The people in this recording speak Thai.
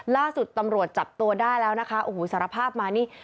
ล่าสุดตำรวจจับตัวได้แล้วนะคะโอ้โหสารภาพมานี่